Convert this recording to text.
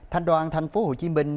thanh đoàn thành phố hồ chí minh